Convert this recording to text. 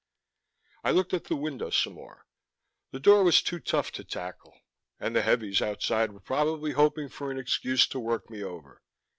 I looked at the window some more. The door was too tough to tackle, and the heavies outside were probably hoping for an excuse to work me over.